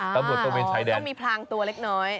ก็มีพลางตัวเล็กน้อย